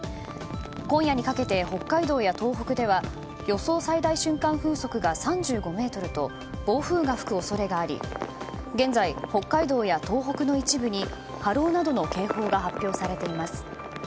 今夜にかけて北海道や東北では予想最大瞬間風速が３５メートルと暴風雨が吹く恐れがあり現在、北海道や東北の一部に波浪などの警報が発表されています。